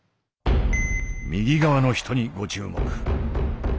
右側の人にご注目。